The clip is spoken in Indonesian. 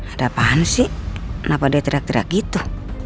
ada pahan sih kenapa dia teriak teriak gitu